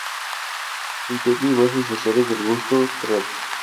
Criterio y bases sociales del gusto", trad.